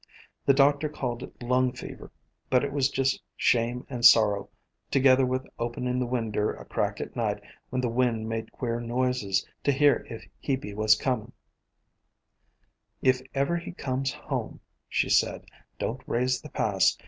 The doctor called it lung fever, but it was just shame and sorrow, together with opening the winder a crack at night, when the wind made queer noises, to hear if be was comin'. 'If ever he comes home,' she said, 'don't raise the past.